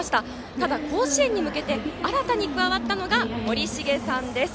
ただ、甲子園に向けて新たに加わったのがもりしげさんです。